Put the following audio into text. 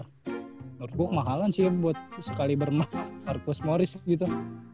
menurut gua kemahalan sih buat sekali bermahal marcus morris gitu